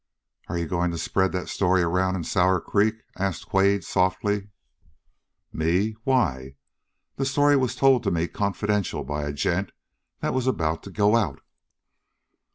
"Are you going to spread that story around in Sour Creek?" asked Quade softly. "Me? Why, that story was told me confidential by a gent that was about to go out!"